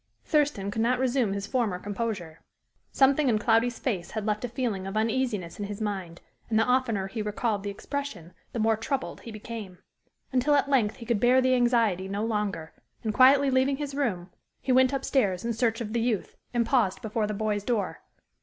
Thurston could not resume his former composure; something in Cloudy's face had left a feeling of uneasiness in his mind, and the oftener he recalled the expression the more troubled he became. Until at length he could bear the anxiety no longer, and quietly leaving his room, he went up stairs in search of the youth, and paused before the boy's door.